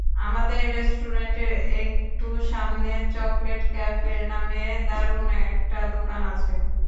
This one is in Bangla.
আমাদের রেস্টুরেন্টের একটু সামনে চকলেট ক্যাফে নামে দারুণ একটা দোকান আছে।